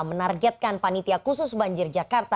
menargetkan panitia khusus banjir jakarta